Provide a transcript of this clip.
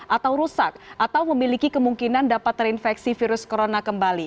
atau rusak atau memiliki kemungkinan dapat terinfeksi virus corona kembali